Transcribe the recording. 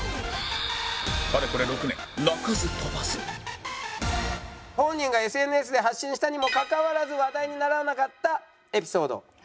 かれこれ本人が ＳＮＳ で発信したにもかかわらず話題にならなかったエピソード。